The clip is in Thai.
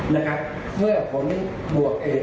เมื่อผลบวกเอด